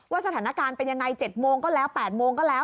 สถานการณ์เป็นยังไง๗โมงก็แล้ว๘โมงก็แล้ว